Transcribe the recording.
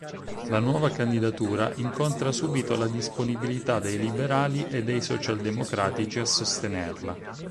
La nuova candidatura incontra subito la disponibilità dei liberali e dei socialdemocratici a sostenerla.